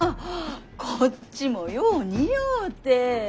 こっちもよう似合うて。